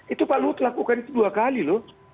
itu pak luhut lakukan itu dua kali loh